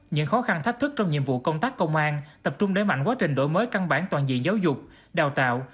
những khó khăn thách thức trong nhiệm vụ công tác công an tập trung đẩy mạnh quá trình đổi mới căn bản toàn diện giáo dục đào tạo